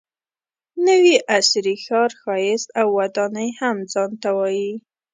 نوي عصري ښار ښایست او ودانۍ هم ځان ته وایي.